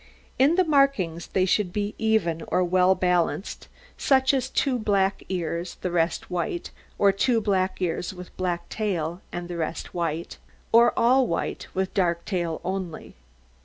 In the markings they should be even or well balanced, such as two black ears, the rest white; or two black ears, with black tail, and the rest white; or all white, with dark tail only.